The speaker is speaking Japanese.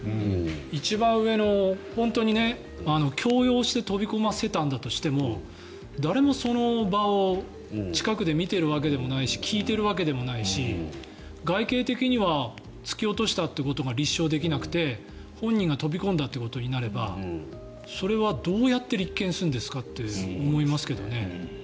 一番上の本当に強要して飛び込ませたんだとしても誰もその場を近くで見ているわけでもないし聞いているわけでもないし外形的には突き落としたということが立証できなくて本人が飛び込んだことになればそれはどうやって立件するんですか？って思いますけどね。